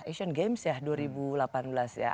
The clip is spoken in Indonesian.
asian games ya dua ribu delapan belas ya